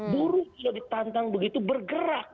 buruk ya ditantang begitu bergerak